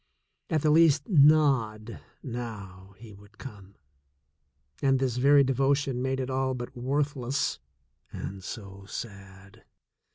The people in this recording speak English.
At the least nod now he would come, and this very devotion made it all but worthless, and so sad.